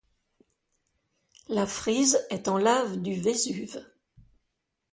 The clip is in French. La frise est en lave du Vésuve.